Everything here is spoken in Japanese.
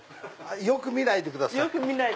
よく見ないでください。